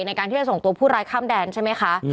ในการที่จะส่งตัวผู้ร้ายข้ามแดนใช่ไหมคะ